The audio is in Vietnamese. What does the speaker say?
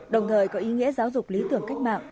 đồng thời có ý nghĩa giáo dục lý tưởng cách mạng